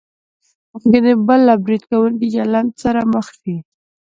ممکن د بل له برید کوونکي چلند سره مخ شئ.